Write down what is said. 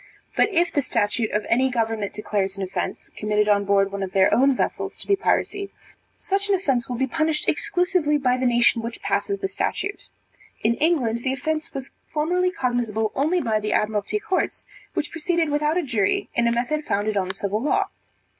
But if the statute of any government declares an offence, committed on board one of their own vessels, to be piracy; such an offence will be punished exclusively by the nation which passes the statute. In England the offence was formerly cognizable only by the Admiralty courts, which proceeded without a jury in a method founded on the civil law.